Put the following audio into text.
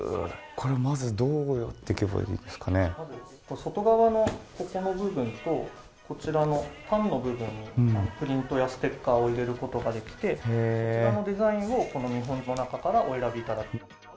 外側の部分とこちらのタンの部分にプリントやステッカーを入れることができてそこからデザインをこの見本の中からお選びいただく。